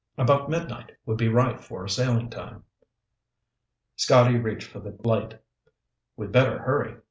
About midnight would be right for a sailing time." Scotty reached for the light. "We'd better hurry."